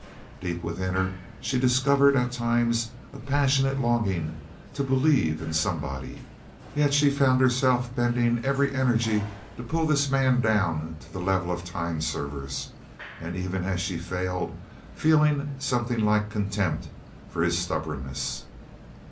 Deep within her she discovered at times a passionate longing to believe in somebody; yet she found herself bending every energy to pull this man down to the level of time servers, and even as she failed, feeling something like contempt for his stubbornness.